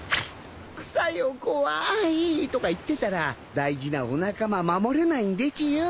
「副作用怖い」とか言ってたら大事なお仲間守れないんでちゅよ